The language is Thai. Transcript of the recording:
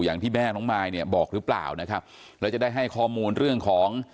อย่างที่แม่น้องมายเนี่ยบอกหรือเปล่านะครับแล้วจะได้ให้ข้อมูลเรื่องของ